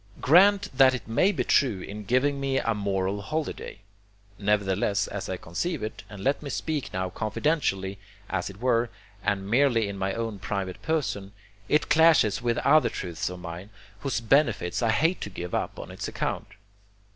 Grant that it may be true in giving me a moral holiday. Nevertheless, as I conceive it, and let me speak now confidentially, as it were, and merely in my own private person, it clashes with other truths of mine whose benefits I hate to give up on its account.